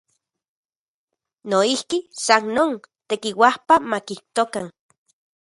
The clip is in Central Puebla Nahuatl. Noijki, san non, tekiuajkapa makijtokan.